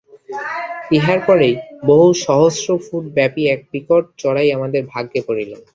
ইহার পরেই বহুসহস্রফুট-ব্যাপী এক বিকট চড়াই আমাদের ভাগ্যে পড়িল।